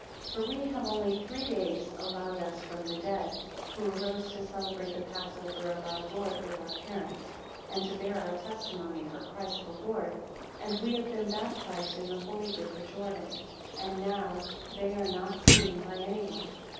5 For we have only three days allowed us from the dead, who arose to celebrate the passover of our Lord with our parents, and to bear our testimony for Christ the Lord, and we have been baptized in the holy river of Jordan. And now they are not seen by any one.